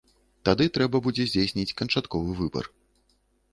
Тады трэба будзе здзейсніць канчатковы выбар.